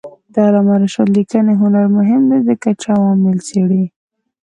د علامه رشاد لیکنی هنر مهم دی ځکه چې عوامل څېړي.